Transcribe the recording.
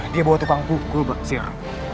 dia bawa tukang kukul sir